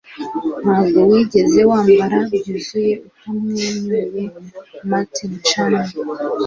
ntabwo wigeze wambara byuzuye utamwenyuye. - martin charnin